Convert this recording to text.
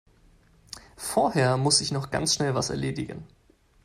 Vorher muss ich noch ganz schnell was erledigen.